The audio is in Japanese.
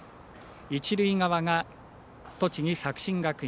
一塁側は栃木、作新学院。